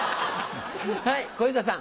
はい小遊三さん。